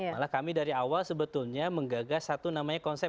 malah kami dari awal sebetulnya menggagas satu namanya konsep